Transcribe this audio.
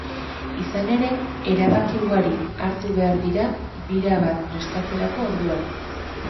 Izan ere, erabakiugari hartu behar dira bira bat prestatzerako orduan.